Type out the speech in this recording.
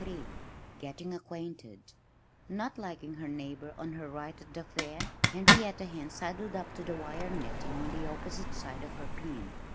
XXIII GETTING ACQUAINTED Not liking her neighbor on her right, at the fair, Henrietta Hen sidled up to the wire netting on the opposite side of her pen.